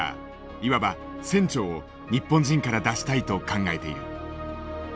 いわば船長を日本人から出したいと考えている。